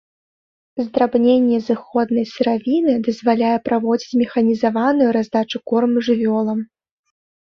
Здрабненне зыходнай сыравіны дазваляе праводзіць механізаваную раздачу корму жывёлам.